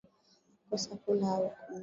Kukosa kula au kunywa